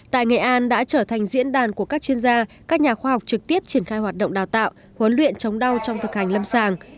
tại nghệ an đã trở thành diễn đàn của các chuyên gia các nhà khoa học trực tiếp triển khai hoạt động đào tạo huấn luyện chống đau trong thực hành lâm sàng